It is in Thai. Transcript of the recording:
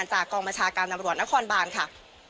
หวัดนครบานค่ะ